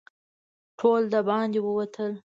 ټول د باندې ووتل.